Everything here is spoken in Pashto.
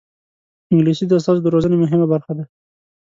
انګلیسي د استازو د روزنې مهمه برخه ده